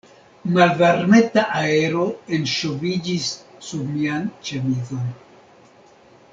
Malvarmeta aero enŝoviĝis sub mian ĉemizon.